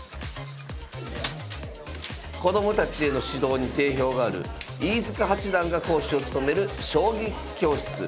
子供たちへの指導に定評がある飯塚八段が講師を務める将棋教室。